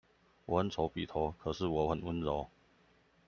我很醜比頭，可是我很溫柔